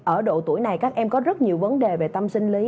ở độ tuổi này các em có rất nhiều vấn đề về tâm sinh lý